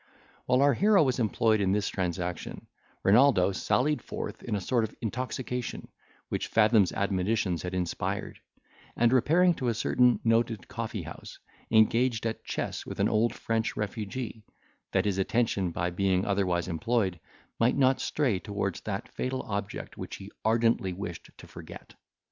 While our hero was employed in this transaction, Renaldo sallied forth in a sort of intoxication, which Fathom's admonitions had inspired; and, repairing to a certain noted coffee house, engaged at chess with an old French refugee, that his attention, by being otherwise employed, might not stray towards that fatal object which he ardently wished to forget.